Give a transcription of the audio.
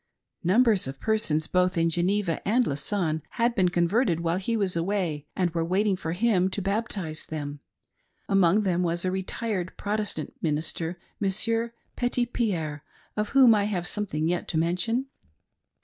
Numbers of persons, both in Geneva and Lausanne had been converted while he was away and were waiting for him to baptize them ;— among them was a retired Protestant minister, Monsidur Petitpierre, of whotti t have something yet to mention.